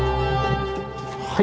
はい。